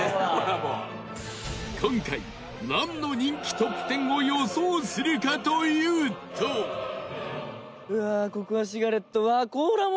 今回、なんの人気トップ１０を予想するかというと玉森：